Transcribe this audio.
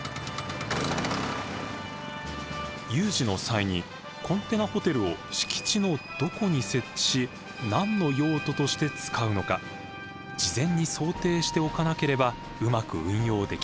有事の際にコンテナホテルを敷地のどこに設置し何の用途として使うのか事前に想定しておかなければうまく運用できません。